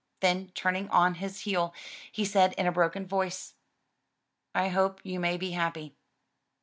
Then, turning on his heel, he said in a broken voice: "I hope you may be happy."